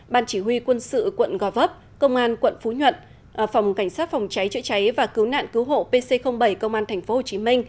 ban chỉ huy quân sự quận gò vấp công an quận phú nhuận phòng cảnh sát phòng cháy chữa cháy và cứu nạn cứu hộ pc bảy công an tp hcm